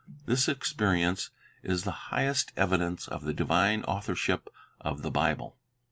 This experience is the highest evidence of the divine authorship of the Bible.